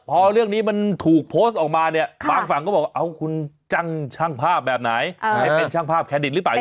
พอเรื่องนี้มันถูกโพสต์ออกมาเนี่ยบางฝั่งก็บอกว่าเอาคุณจ้างช่างภาพแบบไหนให้เป็นช่างภาพแดดิตหรือเปล่า